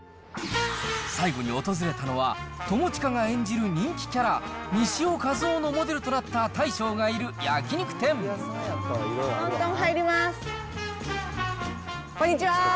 最後に訪れたのは、友近が演じる人気キャラ、西尾一男のモデルとなった大将がいる焼とんとん、入ります。